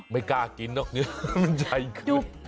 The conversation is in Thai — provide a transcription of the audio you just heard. ไม่กล้ากินหรอกเนื้อมันใหญ่ขึ้น